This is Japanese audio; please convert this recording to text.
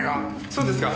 そうですか。